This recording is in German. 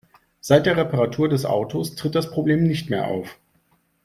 Seit der Reparatur des Autos tritt das Problem nicht mehr auf.